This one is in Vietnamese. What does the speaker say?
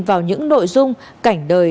vào những nội dung cảnh đời